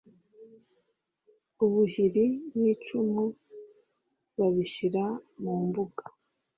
ubuhiri n’icumu babishyira mu mbuga